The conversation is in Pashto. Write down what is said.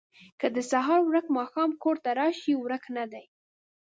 که د سهار ورک ماښام کور ته راشي، ورک نه دی.